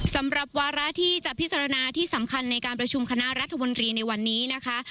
สำหรับวาระที่จะพิจารณาที่สำคัญในการประชุมคณะรัฐมนตรีในวันนี้นะคะ